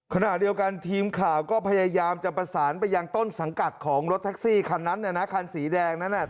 คณะเดียวกันทีมข่าก็พยายามจะประสานไปยังต้นสังกัดของรถแท็กซี่ครั้นนั้นนะฮะครั้นสีแดงแล้วนะครับ